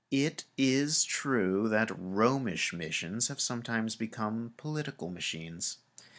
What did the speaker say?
It is true that Romish missions have sometimes become political machines.